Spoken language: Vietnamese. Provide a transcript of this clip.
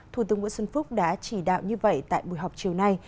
thủ tướng nguyễn xuân phúc đã chỉ đạo như vậy tại buổi họp chiều nay